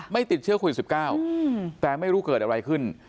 ไม่ติดเชื้อโควิด๑๙แต่ไม่รู้เกิดอะไรขึ้น